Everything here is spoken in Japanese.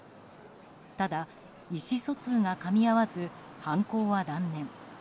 ただ、意思疎通がかみ合わず犯行は断念。